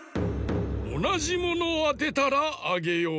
おなじものをあてたらあげよう。